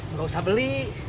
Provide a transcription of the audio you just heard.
nggak usah beli